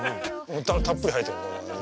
歌たっぷり入ってる。